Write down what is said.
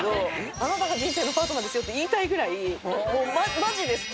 あなたが人生のパートナーですよって言いたいぐらいもうマジで好き。